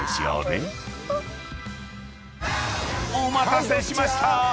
［お待たせしました。